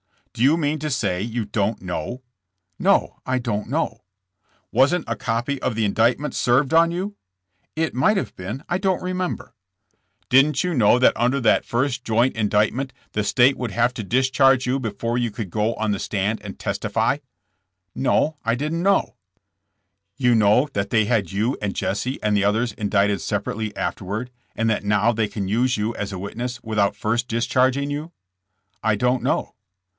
"Do you mean to say you don't know?" "No, I don't know." "Wasn't a copy of the indictment served on you?" "It might have been. I don't remember." THB TRIAI. FOR TRAIN ROBBERY. 147 Didn't you know that under that first joint in dictment, the state would have to discharge you be fore you could go on the stand and testify ?'' *'No I didn't know." You know that they had you and Jesse and the others indicted separately afterward, and that now they can use you as a witness without first discharg ing you?" ^'I don't know."